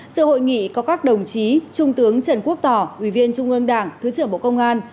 sự hội nghị có các đồng chí trung tướng trần quốc tỏ ubnd thứ trưởng bộ công an